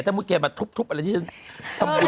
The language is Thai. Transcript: ถ้าเกี๊ยวมาทูบอะไรที่ฉันทำมุน